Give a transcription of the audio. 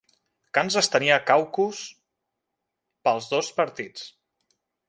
Kansas tenia caucus pels dos partits.